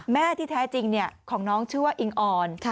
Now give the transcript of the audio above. แม่ที่แท้จริงของน้องชื่อว่าอิงออน